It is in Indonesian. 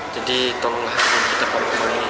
jadi tolonglah kita paham kemari